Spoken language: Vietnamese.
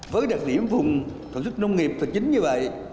với đặc điểm vùng thuận sức nông nghiệp thật chính như vậy